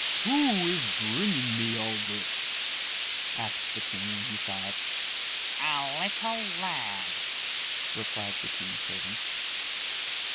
"Who is bringing me all this?" asked the king when he saw it. "A little lad," replied the king's servants.